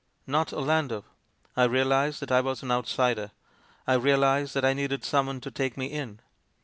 Not Orlando! I reahsed that I was an outsider. I realised that I needed someone to take me in.